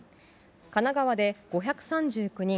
神奈川で５３９人